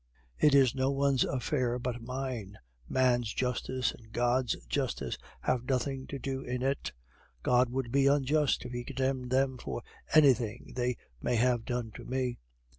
It is no one's affair but mine; man's justice and God's justice have nothing to do in it. God would be unjust if He condemned them for anything they may have done to me.